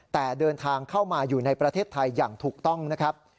แต่เดินทางเข้ามาอยู่ในประเทศไทยอย่างถูกต้องนะครับ